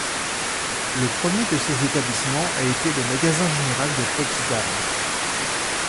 Le premier de ses établissements a été le Magasin général de Potsdam.